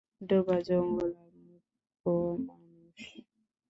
ডোবা জঙ্গল আর মুখ্যু মানুষ।